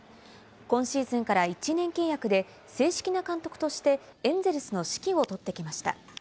今シーズンから１年契約で正式な監督としてエンゼルスの指揮を執ってきました。